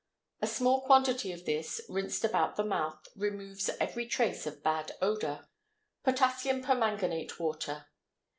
A small quantity of this, rinsed about the mouth, removes every trace of bad odor. POTASSIUM PERMANGANATE WATER.